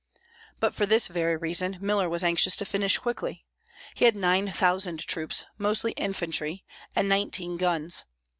But for this very reason Miller was anxious to finish quickly. He had nine thousand troops, mostly infantry, and nineteen guns.